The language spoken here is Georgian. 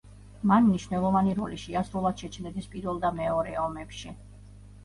მან მნიშვნელოვანი როლი შეასრულა ჩეჩნეთის პირველ და მეორე ომებში.